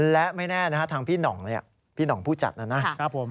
และไม่แน่ทางพี่หน่องพี่หน่องผู้จัดนะฮะ